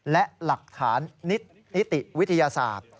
และหลักฐานนิติวิทยาศาสตร์